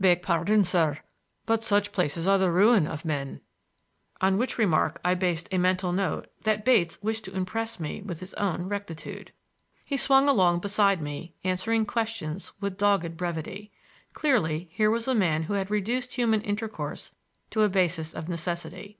"Beg pardon, sir, but such places are the ruin of men,"—on which remark I based a mental note that Bates wished to impress me with his own rectitude. He swung along beside me, answering questions with dogged brevity. Clearly, here was a man who had reduced human intercourse to a basis of necessity.